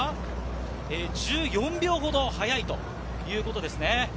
１４秒ほど速いということですね。